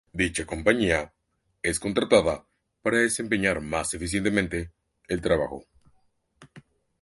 Dicha compañía es contratada para desempeñar más eficientemente el trabajo.